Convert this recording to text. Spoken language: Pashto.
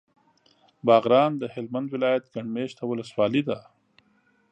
باغران د هلمند ولایت ګڼ مېشته ولسوالي ده.